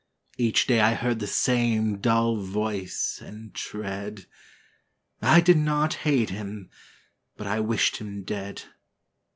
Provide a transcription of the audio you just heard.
Each day I heard the same dull voice and tread; I did not hate him: but I wished him dead.